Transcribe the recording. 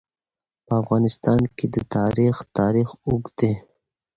په افغانستان کې د تاریخ تاریخ اوږد دی.